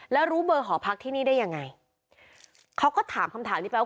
แล้วรู้เบอร์หอพักที่นี่ได้ยังไงเขาก็ถามคำถามนี้ไปว่า